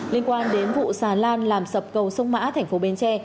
liên quan đến vụ xà lan làm sập cầu sông mã thành phố bến tre